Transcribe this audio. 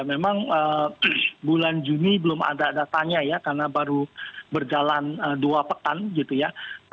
memang bulan juni belum ada datanya ya karena baru berjalan dua pekan gitu ya